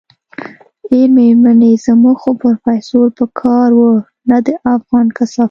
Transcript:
ای مېرمنې زموږ خو پروفيسر په کار و نه دا افغان کثافت.